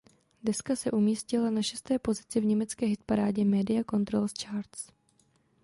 Deska se umístila na šesté pozici v německé hitparádě Media Control Charts.